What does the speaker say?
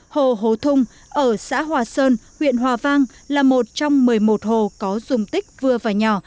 hồ hố thung ở xã hòa sơn huyện hòa vang là một trong một mươi một hồ có dùng tích vừa và nhỏ